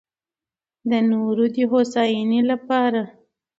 د نورو دې هوساينۍ لپاره